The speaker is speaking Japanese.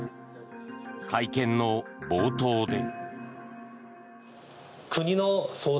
会見の冒頭で。